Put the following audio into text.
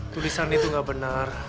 tulisan itu gak benar